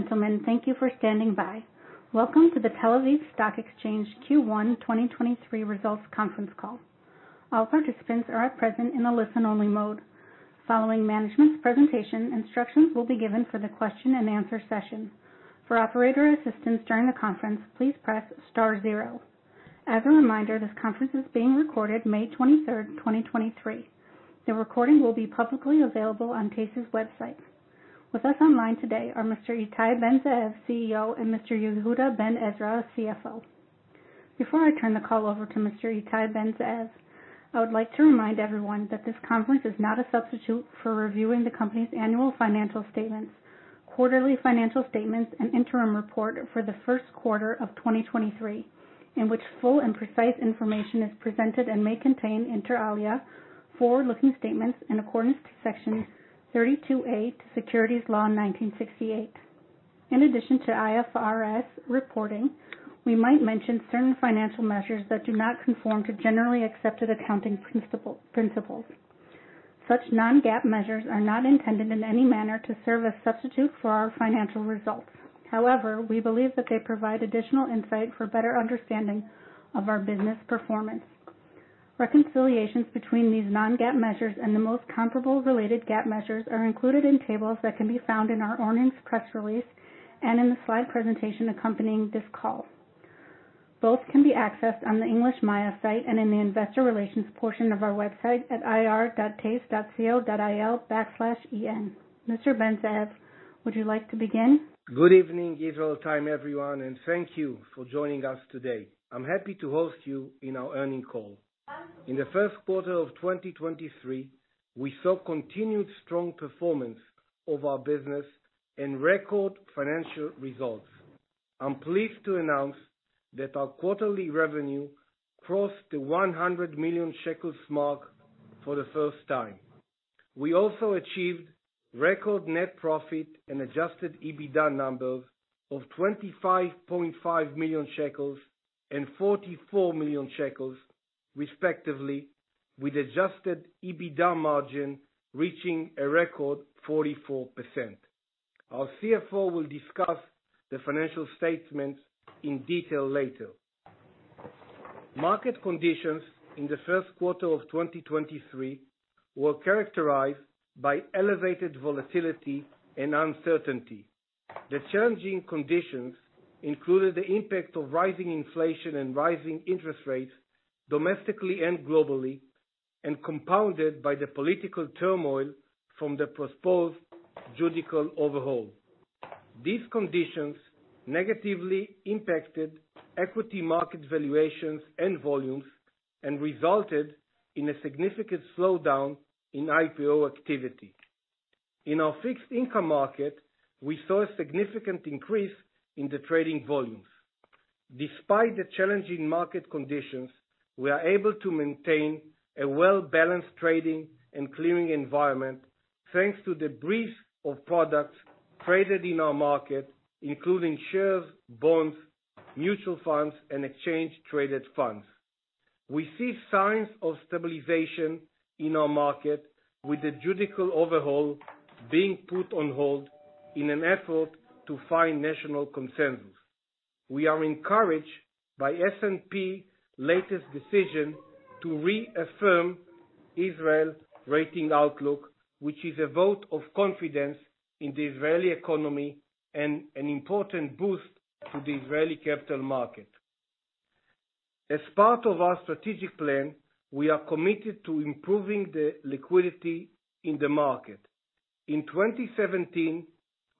Gentlemen, thank you for standing by. Welcome to the Tel Aviv Stock Exchange Q1 2023 results conference call. All participants are at present in a listen-only mode. Following management's presentation, instructions will be given for the question-and-answer session. For operator assistance during the conference, please press star zero. As a reminder, this conference is being recorded May 23, 2023. The recording will be publicly available on TASE's website. With us online today are Mr. Ittai Ben-Zeev, CEO, and Mr. Yehuda Ben Ezra, CFO. Before I turn the call over to Mr. Ittai Ben-Zeev, I would like to remind everyone that this conference is not a substitute for reviewing the company's annual financial statements, quarterly financial statements, and interim report for the first quarter of 2023, in which full and precise information is presented and may contain, inter alia, forward-looking statements in accordance to Section 32A Securities Law in 1968. In addition to IFRS reporting, we might mention certain financial measures that do not conform to generally accepted accounting principles. Such non-GAAP measures are not intended in any manner to serve as substitute for our financial results. However, we believe that they provide additional insight for better understanding of our business performance. Reconciliations between these non-GAAP measures and the most comparable related GAAP measures are included in tables that can be found in our earnings press release and in the slide presentation accompanying this call. Both can be accessed on the English MAYA site and in the investor relations portion of our website at ir.tase.co.il/eng. Mr. Ben-Zeev, would you like to begin? Good evening, Israel time, everyone, and thank you for joining us today. I'm happy to host you in our earning call. In the first quarter of 2023, we saw continued strong performance of our business and record financial results. I'm pleased to announce that our quarterly revenue crossed the 100 million shekels (New Israeli Sheqel) mark for the first time. We also achieved record net profit and adjusted EBITDA numbers of 25.5 million shekels (New Israeli Sheqel) and 44 million shekels (New Israeli Sheqel), respectively, with adjusted EBITDA margin reaching a record 44%. Our CFO will discuss the financial statements in detail later. Market conditions in the first quarter of 2023 were characterized by elevated volatility and uncertainty. The challenging conditions included the impact of rising inflation and rising interest rates domestically and globally, and compounded by the political turmoil from the proposed judicial overhaul. These conditions negatively impacted equity market valuations and volumes and resulted in a significant slowdown in IPO activity. In our fixed income market, we saw a significant increase in the trading volumes. Despite the challenging market conditions, we are able to maintain a well-balanced trading and clearing environment thanks to the breadth of products traded in our market, including shares, bonds, mutual funds, and Exchange-Traded Funds. We see signs of stabilization in our market with the judicial overhaul being put on hold in an effort to find national consensus. We are encouraged by S&P latest decision to reaffirm Israel rating outlook, which is a vote of confidence in the Israeli economy and an important boost to the Israeli capital market. As part of our strategic plan, we are committed to improving the liquidity in the market. In 2017,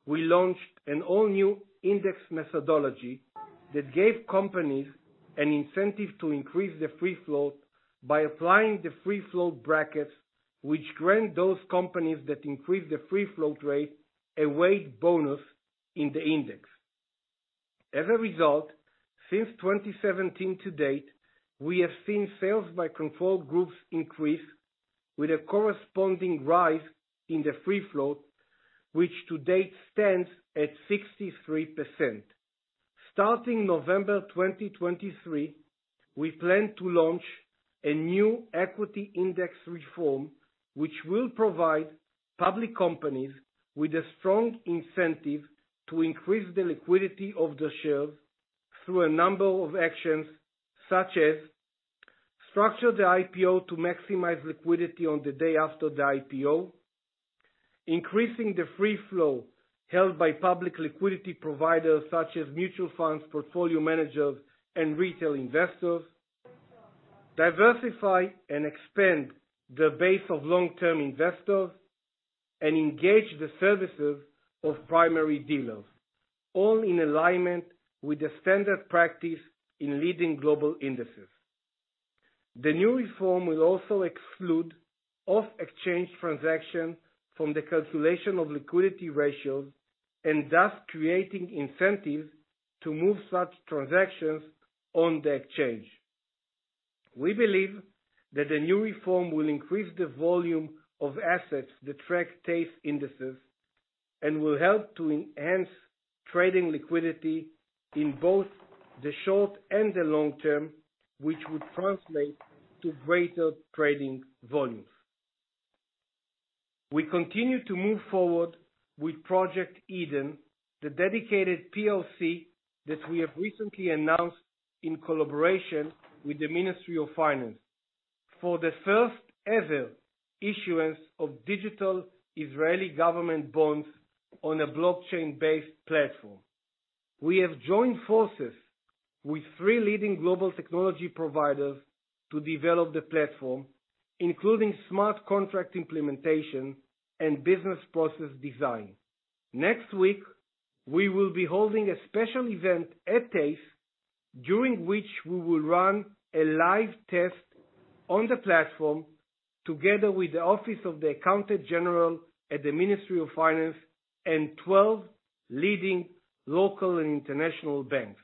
we launched an all-new index methodology that gave companies an incentive to increase their free float by applying the free float brackets, which grant those companies that increase the free float rate a weight bonus in the index. As a result, since 2017 to date, we have seen sales by control groups increase with a corresponding rise in the free float, which to date stands at 63%. Starting November 2023, we plan to launch a new equity index reform, which will provide public companies with a strong incentive to increase the liquidity of the shares through a number of actions, such as structure the IPO to maximize liquidity on the day after the IPO, increasing the free flow held by public liquidity providers such as mutual funds, portfolio managers, and retail investors, diversify and expand the base of long-term investors, and engage the services of primary dealers, all in alignment with the standard practice in leading global indices. The new reform will also exclude off-exchange transaction from the calculation of liquidity ratios and thus creating incentives to move such transactions on the exchange. We believe that the new reform will increase the volume of assets that track TASE indices and will help to enhance trading liquidity in both the short and the long term, which would translate to greater trading volumes. We continue to move forward with Project Eden, the dedicated POC that we have recently announced in collaboration with the Ministry of Finance for the first-ever issuance of digital Israeli government bonds on a blockchain-based platform. We have joined forces with three leading global technology providers to develop the platform, including smart contract implementation and business process design. Next week, we will be holding a special event at TASE, during which we will run a live test on the platform together with the Office of the Accountant General at the Ministry of Finance and twelve leading local and international banks.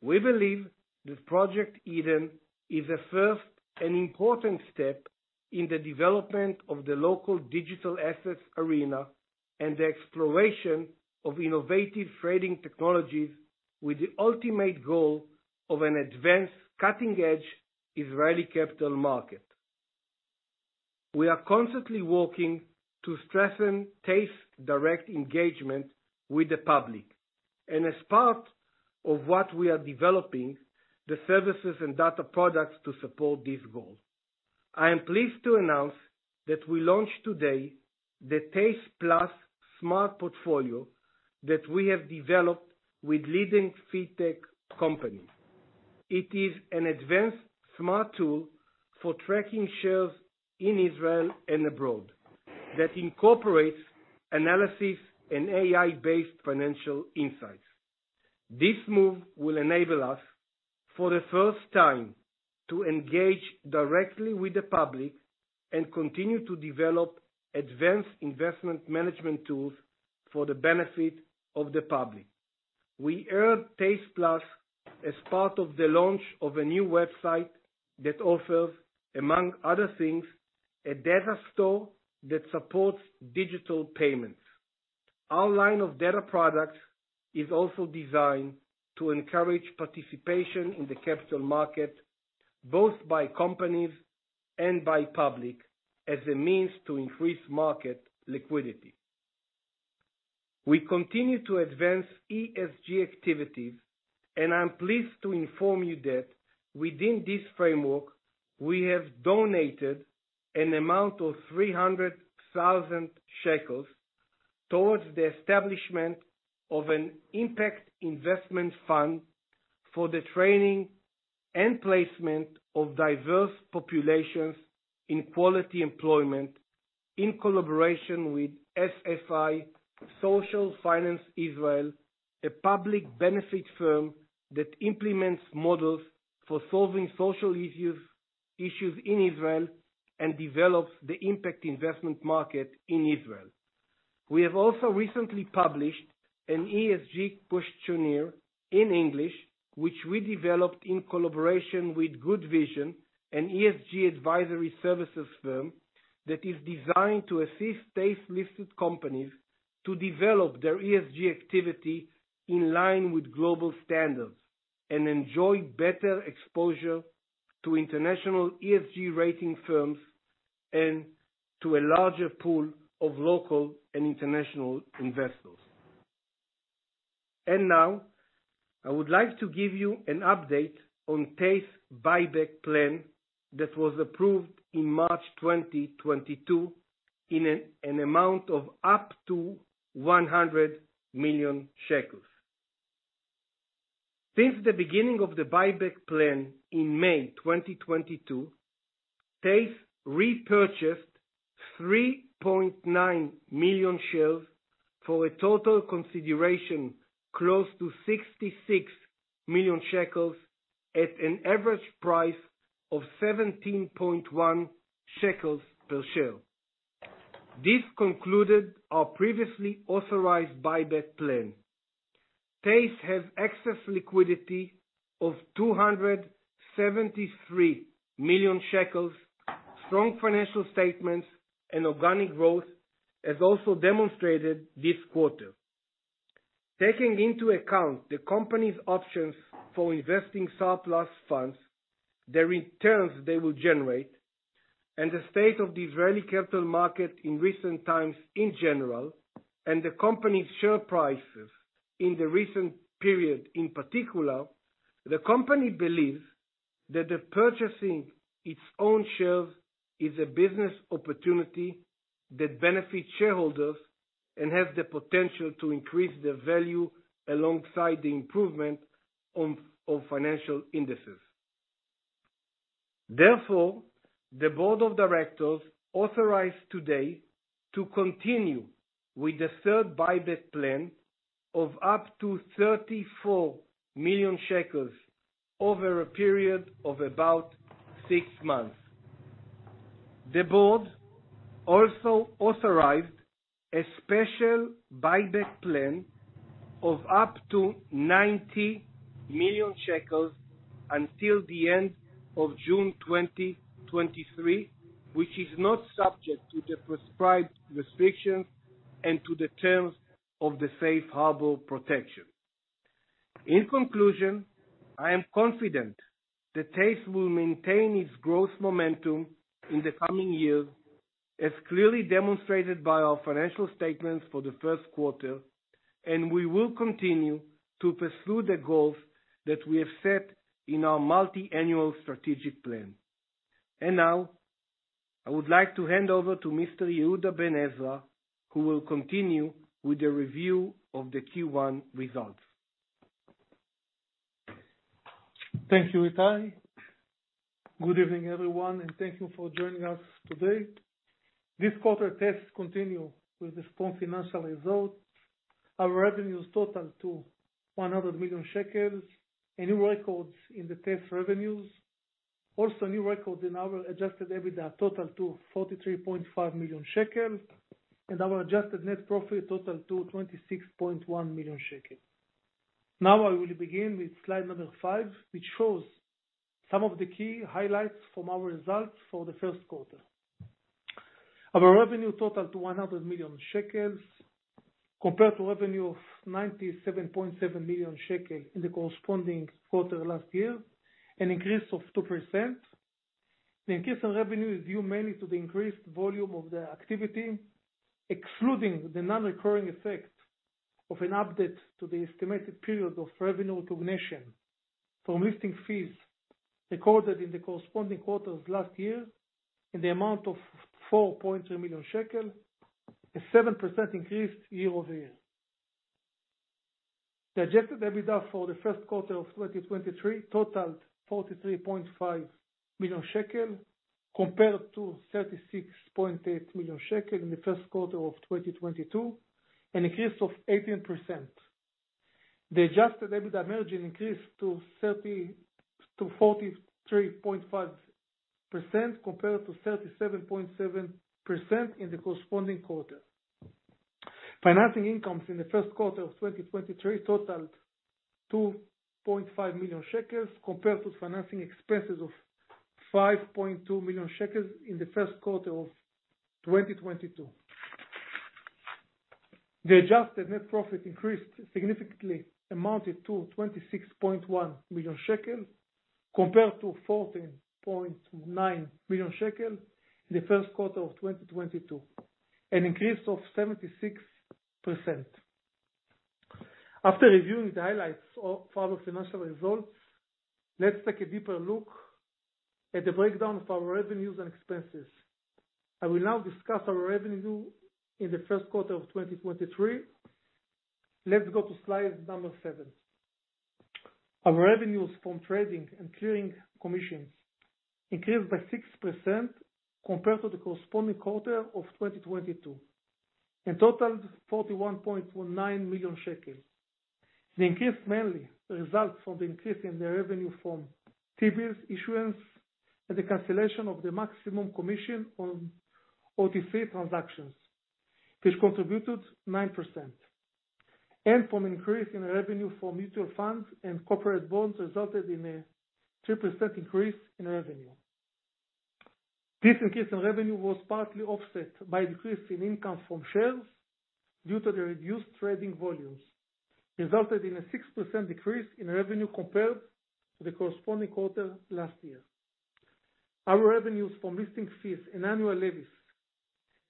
We believe that Project Eden is a first and important step in the development of the local digital assets arena and the exploration of innovative trading technologies with the ultimate goal of an advanced cutting-edge Israeli capital market. We are constantly working to strengthen TASE direct engagement with the public, and as part of what we are developing, the services and data products to support this goal. I am pleased to announce that we launch today the TASE+ smart portfolio that we have developed with leading fintech companies. It is an advanced smart tool for tracking shares in Israel and abroad that incorporates analysis and AI-based financial insights. This move will enable us, for the first time, to engage directly with the public and continue to develop advanced investment management tools for the benefit of the public. We earned TASE+ as part of the launch of a new website that offers, among other things, a data store that supports digital payments. Our line of data products is also designed to encourage participation in the capital market, both by companies and by public, as a means to increase market liquidity. We continue to advance ESG activities, and I'm pleased to inform you that within this framework, we have donated an amount of 300,000 shekels (New Israeli Sheqel) towards the establishment of an impact investment fund for the training and placement of diverse populations in quality employment in collaboration with SFI, Social Finance Israel, a public benefit firm that implements models for solving social issues in Israel and develops the impact investment market in Israel. We have also recently published an ESG questionnaire in English, which we developed in collaboration with Good Vision, an ESG advisory services firm that is designed to assist TASE-listed companies to develop their ESG activity in line with global standards and enjoy better exposure to international ESG rating firms and to a larger pool of local and international investors. Now, I would like to give you an update on TASE buyback plan that was approved in March 2022 in an amount of up to 100 million shekels (New Israeli Sheqel). Since the beginning of the buyback plan in May 2022, TASE repurchased 3.9 million shares for a total consideration close to 66 million shekels (New Israeli Sheqel) at an average price of 17.1 shekels per share. This concluded our previously authorized buyback plan. TASE has excess liquidity of 273 million shekels (New Israeli Sheqel), strong financial statements, and organic growth, as also demonstrated this quarter. Taking into account the company's options for investing surplus funds, the returns they will generate, and the state of the Israeli capital market in recent times in general, and the company's share prices in the recent period, in particular, the company believes that the purchasing its own shares is a business opportunity that benefits shareholders and has the potential to increase the value alongside the improvement of financial indices. The Board of Directors authorized today to continue with the third buyback plan of up to 34 million shekels (New Israeli Sheqel) over a period of about six months. The Board also authorized a special buyback plan of up to 90 million shekels (New Israeli Sheqel) until the end of June 2023, which is not subject to the prescribed restrictions and to the terms of the safe harbor protection. In conclusion, I am confident that TASE will maintain its growth momentum in the coming years, as clearly demonstrated by our financial statements for the first quarter. We will continue to pursue the goals that we have set in our multi-annual strategic plan. Now, I would like to hand over to Mr. Yehuda Ben Ezra, who will continue with the review of the Q1 results. Thank you, Ittai. Good evening, everyone, thank you for joining us today. This quarter, TASE continue with the strong financial results. Our revenues totaled to ILS 100 million (New Israeli Sheqel), a new records in the TASE revenues. A new record in our adjusted EBITDA totaled to 43.5 million shekel (New Israeli Sheqel), and our adjusted net profit totaled to 26.1 million shekel (New Israeli Sheqel). I will begin with slide number five, which shows some of the key highlights from our results for the first quarter. Our revenue totaled to 100 million shekels (New Israeli Sheqel) compared to revenue of 97.7 million shekels (New Israeli Sheqel) in the corresponding quarter last year, an increase of 2%. The increase in revenue is due mainly to the increased volume of the activity, excluding the non-recurring effect of an update to the estimated period of revenue recognition from listing fees recorded in the corresponding quarter of last year in the amount of ILS 4.2 million (New Israeli Sheqel), a 7% increase year-over-year. The adjusted EBITDA for the first quarter of 2023 totaled 43.5 million shekel (New Israeli Sheqel) compared to 36.8 million shekel (New Israeli Sheqel) in the first quarter of 2022, an increase of 18%. The adjusted EBITDA margin increased to 43.5% compared to 37.7% in the corresponding quarter. Financing incomes in the first quarter of 2023 totaled 2.5 million shekels (New Israeli Sheqel) compared to financing expenses of 5.2 million shekels (New Israeli Sheqel) in the first quarter of 2022. The adjusted net profit increased significantly, amounted to 26.1 million shekel (New Israeli Sheqel) compared to 14.9 million shekel (New Israeli Sheqel) in the first quarter of 2022, an increase of 76%. After reviewing the highlights for our financial results, let's take a deeper look at the breakdown of our revenues and expenses. I will now discuss our revenue in the first quarter of 2023. Let's go to slide number seven. Our revenues from trading and clearing commissions increased by 6% compared to the corresponding quarter of 2022, totaled 41.19 million shekels (New Israeli Sheqel). The increase mainly results from the increase in the revenue from T-bills issuance and the cancellation of the maximum commission on OTC transactions, which contributed 9%. From increase in the revenue for mutual funds and corporate bonds resulted in a 2% increase in revenue. This increase in revenue was partly offset by decrease in income from shares due to the reduced trading volumes, resulted in a 6% decrease in revenue compared to the corresponding quarter last year. Our revenues from listing fees and annual levies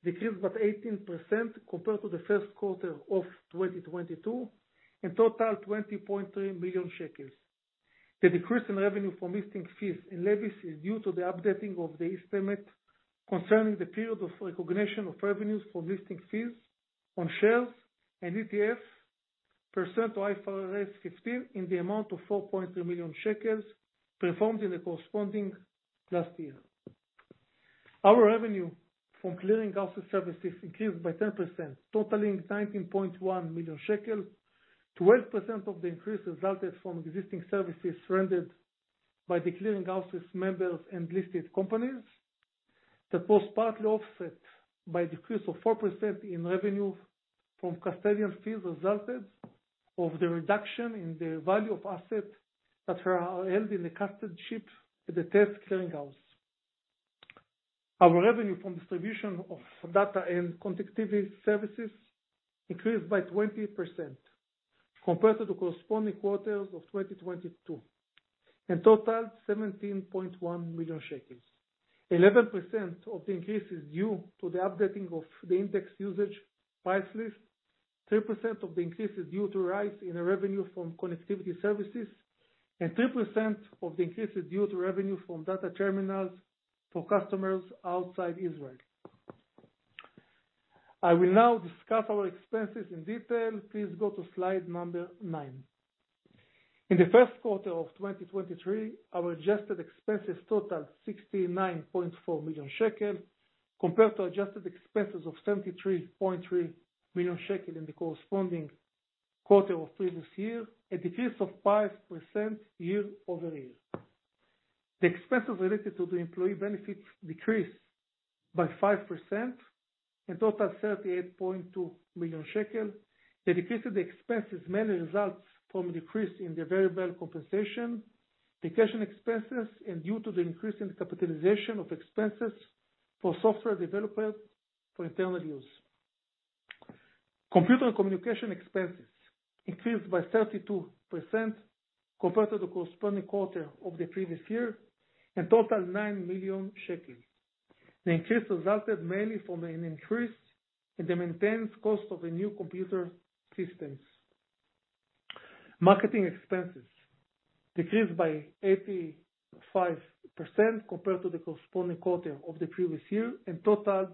decreased by 18% compared to the first quarter of 2022 and totaled 20.3 million shekels (New Israeli Sheqel). The decrease in revenue from listing fees and levies is due to the updating of the estimate concerning the period of recognition of revenues from listing fees on shares and ETFs per IFRS 15 in the amount of 4.3 million shekels (New Israeli Sheqel) performed in the corresponding last year. Our revenue from clearinghouse services increased by 10%, totaling 19.1 million shekel (New Israeli Sheqel). 12% of the increase resulted from existing services rendered by the clearinghouse's members and listed companies. That was partly offset by decrease of 4% in revenue from custodian fees resulted of the reduction in the value of assets that are held in the custodianship at the TASE Clearing House. Our revenue from distribution of data and connectivity services increased by 20% compared to the corresponding quarters of 2022. Totaled ILS 17.1 million (New Israeli Sheqel). 11% of the increase is due to the updating of the index usage price list, 3% of the increase is due to rise in the revenue from connectivity services. 3% of the increase is due to revenue from data terminals for customers outside Israel. I will now discuss our expenses in detail. Please go to slide number nine. In the first quarter of 2023, our adjusted expenses totaled 69.4 million shekel (New Israeli Sheqel) compared to adjusted expenses of 73.3 million shekel (New Israeli Sheqel) in the corresponding quarter of previous year, a decrease of 5% year-over-year. The expenses related to the employee benefits decreased by 5% and totaled 38.2 million shekel (New Israeli Sheqel). The decrease in the expenses mainly results from a decrease in the variable compensation, vacation expenses, and due to the increase in capitalization of expenses for software development for internal use. Computer communication expenses increased by 32% compared to the corresponding quarter of the previous year and total 9 million shekels (New Israeli Sheqel). The increase resulted mainly from an increase in the maintenance cost of the new computer systems. Marketing expenses decreased by 85% compared to the corresponding quarter of the previous year and totaled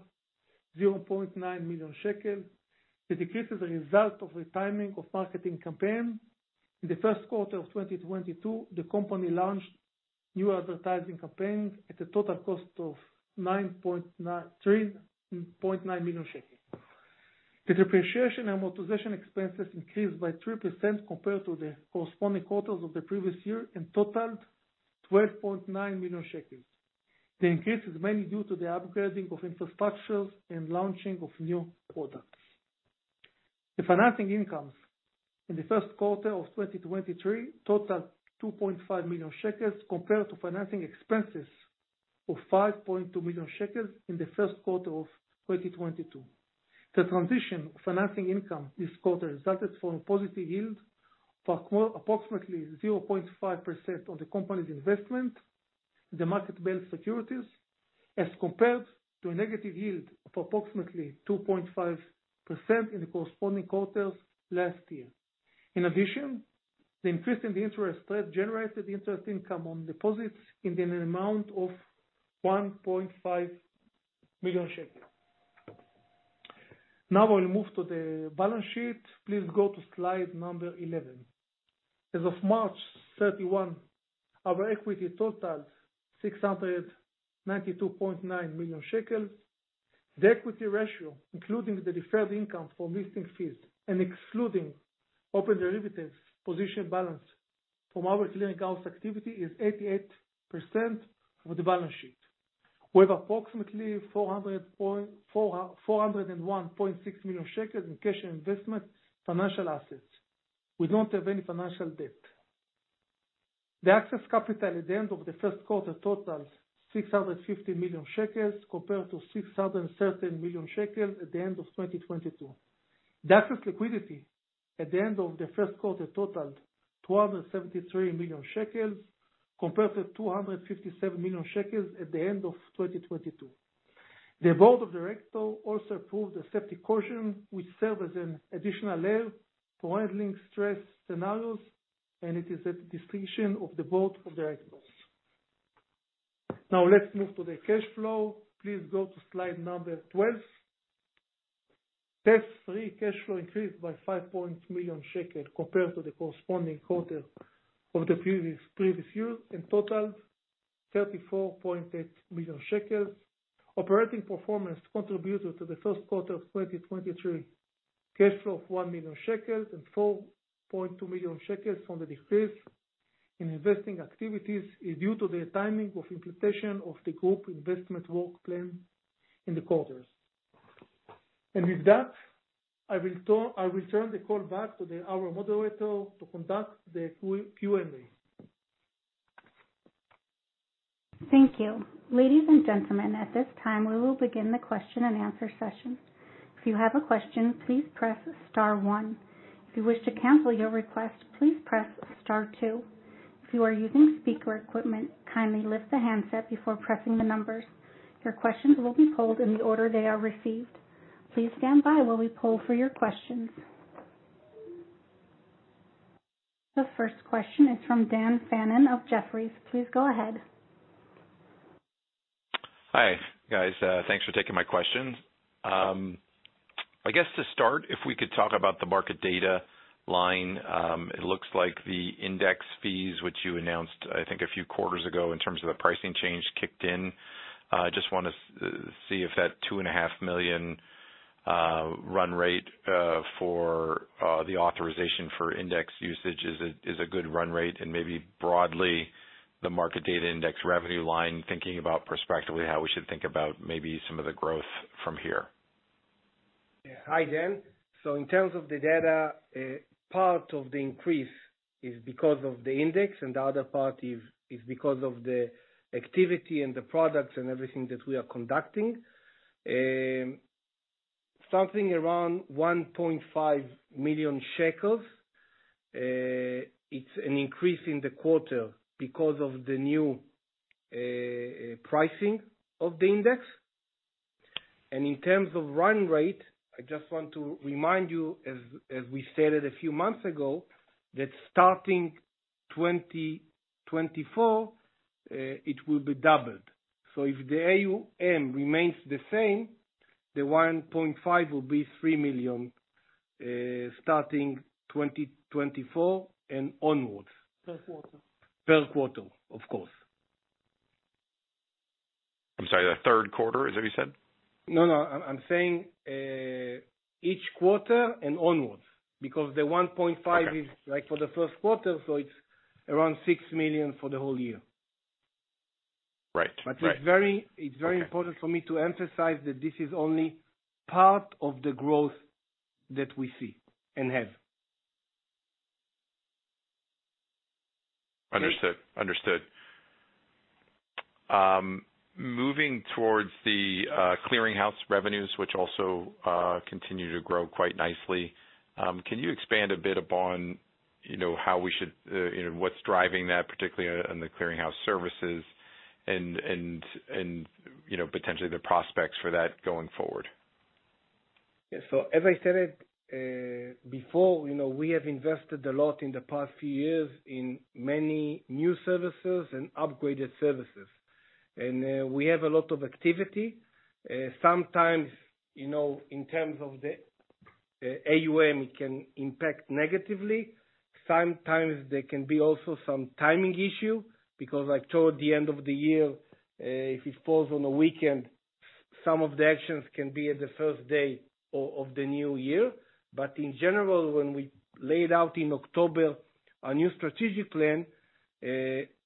0.9 million shekels (New Israeli Sheqel). The decrease is a result of the timing of marketing campaign. In the first quarter of 2022, the company launched new advertising campaigns at a total cost of ILS 3.9 million (New Israeli Sheqel). The depreciation amortization expenses increased by 3% compared to the corresponding quarters of the previous year and totaled 12.9 million shekels (New Israeli Sheqel). The increase is mainly due to the upgrading of infrastructures and launching of new products. The financing incomes in the first quarter of 2023 totaled 2.5 million shekels (New Israeli Sheqel) compared to financing expenses of 5.2 million shekels (New Israeli Sheqel) in the first quarter of 2022. The transition of financing income this quarter resulted from a positive yield for approximately 0.5% on the company's investment, the market-based securities, as compared to a negative yield of approximately 2.5% in the corresponding quarters last year. In addition, the increase in the interest rate generated interest income on deposits in an amount of 1.5 million shekels (New Israeli Sheqel). Now I'll move to the balance sheet. Please go to slide number 11. As of March 31, our equity totals 692.9 million shekel (New Israeli Sheqel). The equity ratio, including the deferred income for listing fees and excluding open derivatives position balance from our clearing house activity, is 88% of the balance sheet. We have approximately 401.6 million shekels (New Israeli Sheqel) in cash and investment financial assets. We don't have any financial debt. The excess capital at the end of the first quarter totals 650 million shekels (New Israeli Sheqel) compared to 613 million shekels (New Israeli Sheqel) at the end of 2022. The excess liquidity at the end of the first quarter totaled 273 million shekels (New Israeli Sheqel) compared to 257 million shekels (New Israeli Sheqel) at the end of 2022. The Board of Directors also approved a safety caution which serve as an additional layer for handling stress scenarios, and it is at the discretion of the Board of Directors. Let's move to the cash flow. Please go to slide number 12. TASE's free cash flow increased by 5 million shekel (New Israeli Sheqel) compared to the corresponding quarter of the previous year and totaled 34.8 million shekels (New Israeli Sheqel). Operating performance contributed to the first quarter of 2023, cash flow of 1 million shekels (New Israeli Sheqel) and 4.2 million shekels (New Israeli Sheqel) from the decrease in investing activities is due to the timing of implementation of the group investment work plan in the quarters. With that, I return the call back to our moderator to conduct the Q&A. Thank you. Ladies and gentlemen, at this time, we will begin the question-and-answer session. If you have a question, please press star one. If you wish to cancel your request, please press star two. If you are using speaker equipment, kindly lift the handset before pressing the numbers. Your questions will be pulled in the order they are received. Please stand by while we pull for your questions. The first question is from Dan Fannon of Jefferies. Please go ahead. Hi, guys. thanks for taking my questions. I guess to start, if we could talk about the market data line. It looks like the index fees which you announced, I think, a few quarters ago in terms of the pricing change kicked in. just wanna see if that 2.5 million (New Israeli Sheqel) run rate for the authorization for index usage is a good run rate, and maybe broadly the market data index revenue line, thinking about prospectively how we should think about maybe some of the growth from here. Hi, Dan. In terms of the data, part of the increase is because of the index and the other part is because of the activity and the products and everything that we are conducting. Something around 1.5 million shekels (New Israeli Sheqel), it's an increase in the quarter because of the new pricing of the index. In terms of run rate, I just want to remind you, as we stated a few months ago, that starting 2024, it will be doubled. If the AUM remains the same, the 1.5 million (New Israeli Sheqel) will be ILS 3 million (New Israeli Sheqel), starting 2024 and onwards. Per quarter. Per quarter, of course. I'm sorry, the third quarter, is that what you said? No, no. I'm saying each quarter and onwards because the 1.5 million (New Israeli Sheqel). Okay. is like for the first quarter, so it's around 6 million (New Israeli Sheqel) for the whole year. Right. Right. it's very, it's very important for me to emphasize that this is only part of the growth that we see and have. Understood. Understood. Moving towards the clearinghouse revenues, which also continue to grow quite nicely, can you expand a bit upon, you know, how we should, you know, what's driving that, particularly on the clearinghouse services and, you know, potentially the prospects for that going forward? As I said it, before, you know, we have invested a lot in the past few years in many new services and upgraded services. We have a lot of activity. Sometimes, you know, in terms of the AUM can impact negatively. Sometimes there can be also some timing issue because like toward the end of the year, if it falls on a weekend, some of the actions can be at the first day of the new year. In general, when we laid out in October our new strategic plan,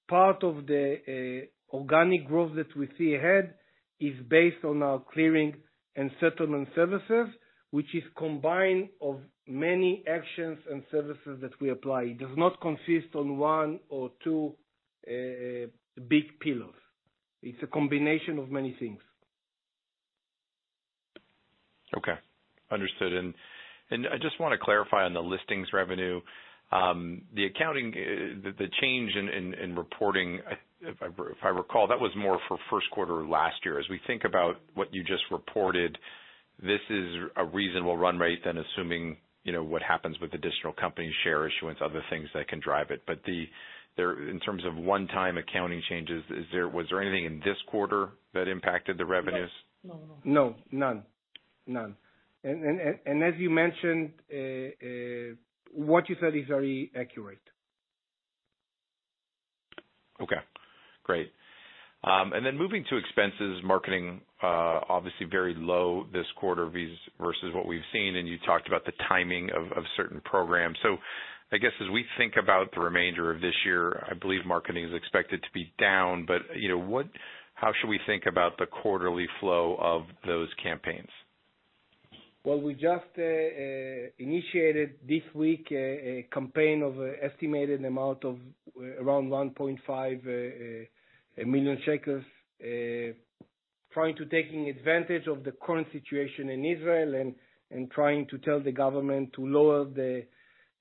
part of the organic growth that we see ahead is based on our clearing and settlement services, which is combined of many actions and services that we apply. It does not consist on one or two big pillars. It's a combination of many things. Okay. Understood. I just wanna clarify on the listings revenue, the accounting, the change in reporting, if I recall, that was more for first quarter last year. As we think about what you just reported, this is a reasonable run rate than assuming, you know, what happens with additional company share issuance, other things that can drive it. There, in terms of one-time accounting changes, was there anything in this quarter that impacted the revenues? No. None. None. As you mentioned, what you said is very accurate. Okay. Great. Moving to expenses, marketing, obviously very low this quarter versus what we've seen, and you talked about the timing of certain programs. I guess as we think about the remainder of this year, I believe marketing is expected to be down, but, you know, how should we think about the quarterly flow of those campaigns? We just initiated this week a campaign of estimated amount of around 1.5 million shekels (New Israeli Sheqel), trying to taking advantage of the current situation in Israel and trying to tell the government to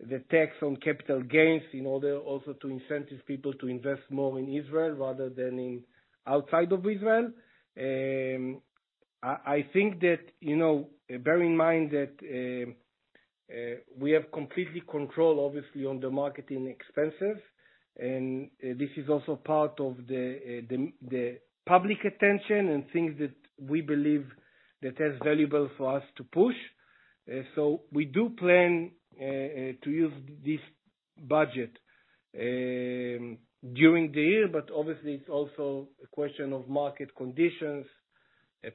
lower the tax on capital gains in order also to incentivize people to invest more in Israel rather than in outside of Israel. I think that, you know, bear in mind that, we have completely control obviously on the marketing expenses, and this is also part of the public attention and things that we believe that is valuable for us to push. We do plan to use this budget during the year, but obviously it's also a question of market conditions,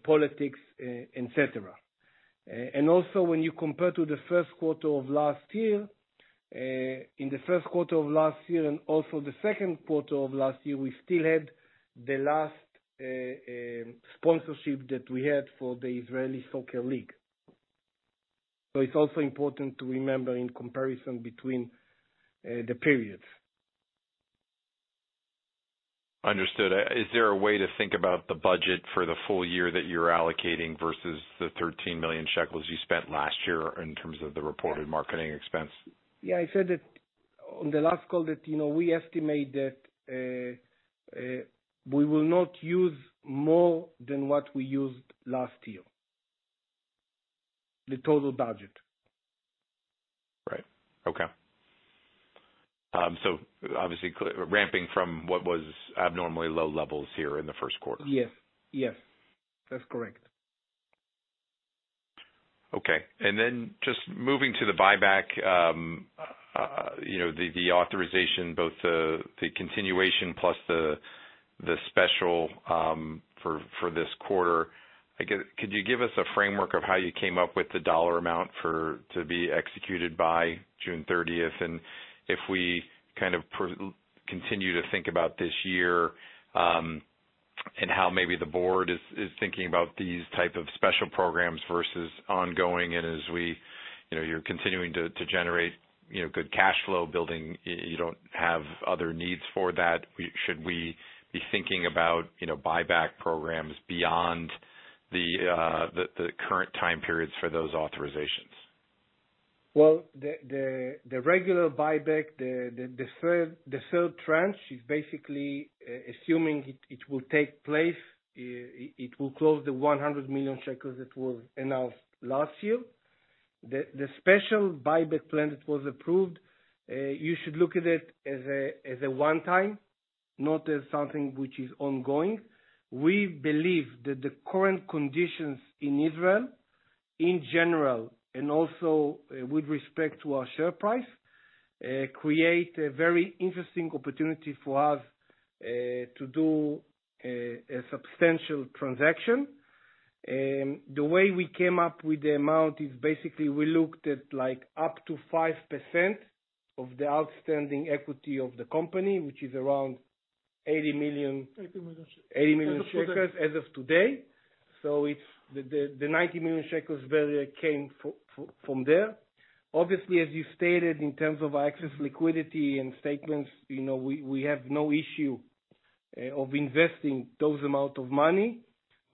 politics, et cetera. When you compare to the first quarter of last year, in the first quarter of last year and also the second quarter of last year, we still had the last sponsorship that we had for the Israeli Soccer League. It's also important to remember in comparison between the periods. Understood. Is there a way to think about the budget for the full year that you're allocating versus the 13 million shekels (New Israeli Sheqel) you spent last year in terms of the reported marketing expense? I said it on the last call that, you know, we estimate that we will not use more than what we used last year, the total budget. Right. Okay. obviously ramping from what was abnormally low levels here in the first quarter. Yes. Yes, that's correct. Okay. Just moving to the buyback, you know, the authorization, both the continuation plus the special, for this quarter. Could you give us a framework of how you came up with the dollar amount to be executed by June 30th? If we kind of continue to think about this year, and how maybe the board is thinking about these type of special programs versus ongoing, and as we, you know, you're continuing to generate, you know, good cash flow building, you don't have other needs for that. Should we be thinking about, you know, buyback programs beyond the current time periods for those authorizations? Well, the regular buyback, the third tranche is basically assuming it will take place, it will close the 100 million shekels (New Israeli Sheqel) that were announced last year. The special buyback plan that was approved, you should look at it as a one-time, not as something which is ongoing. We believe that the current conditions in Israel in general, and also with respect to our share price, create a very interesting opportunity for us to do a substantial transaction. The way we came up with the amount is basically we looked at like up to 5% of the outstanding equity of the company, which is around 80 million shekels (New Israeli Sheqel)- 80 million (New Israeli Sheqel). 80 million (New Israeli Sheqel) as of today. It's the 90 million shekels (New Israeli Sheqel) value came from there. Obviously, as you stated, in terms of our excess liquidity and statements, you know, we have no issue of investing those amount of money.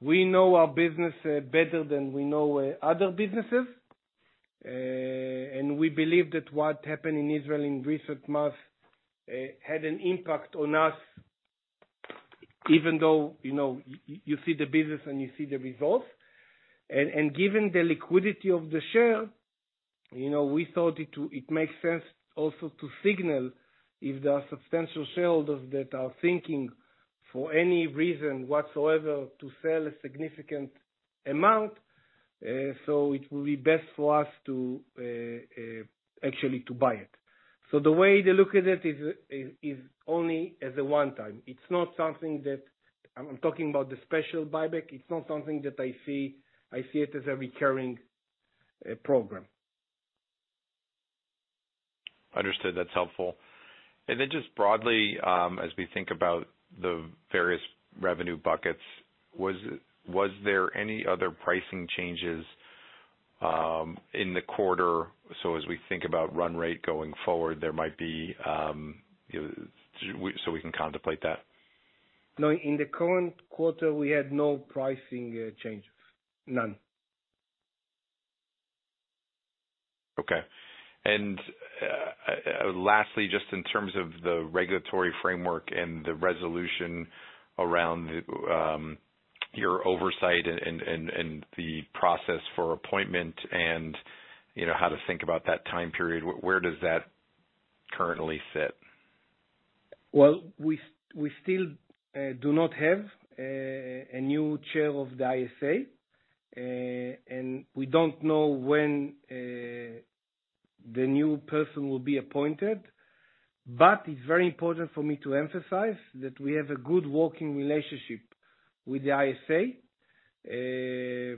We know our business better than we know other businesses. We believe that what happened in Israel in recent months had an impact on us, even though, you know, you see the business and you see the results. Given the liquidity of the share, you know, we thought it makes sense also to signal if there are substantial shareholders that are thinking for any reason whatsoever to sell a significant amount, so it will be best for us to actually to buy it. The way they look at it is only as a one-time. It's not something that I'm talking about the special buyback. It's not something that I see, I see it as a recurring program. Understood. That's helpful. Just broadly, as we think about the various revenue buckets, was there any other pricing changes in the quarter? As we think about run rate going forward, there might be, so we can contemplate that. No. In the current quarter, we had no pricing changes. None. Okay. Lastly, just in terms of the regulatory framework and the resolution around your oversight and the process for appointment and, you know, how to think about that time period, where does that currently sit? We still do not have a new chair of the ISA, and we don't know when the new person will be appointed. It's very important for me to emphasize that we have a good working relationship with the ISA.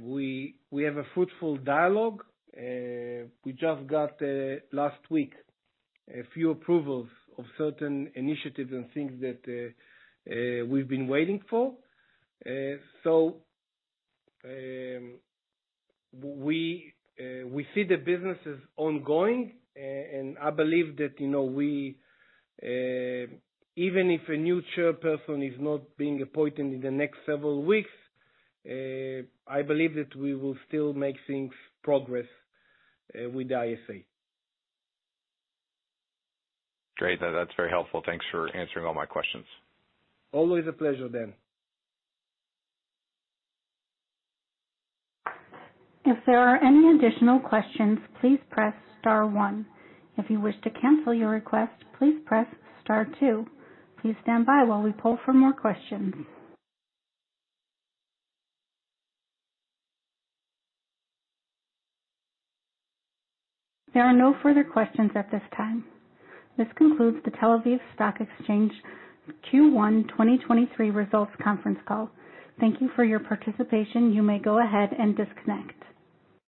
We have a fruitful dialogue. We just got last week, a few approvals of certain initiatives and things that we've been waiting for. We see the business is ongoing. I believe that, you know, we even if a new chairperson is not being appointed in the next several weeks, I believe that we will still make things progress with the ISA. Great. That's very helpful. Thanks for answering all my questions. Always a pleasure, Dan. If there are any additional questions, please press star one. If you wish to cancel your request, please press star two. Please stand by while we poll for more questions. There are no further questions at this time. This concludes the Tel Aviv Stock Exchange Q1 2023 results conference call. Thank you for your participation. You may go ahead and disconnect.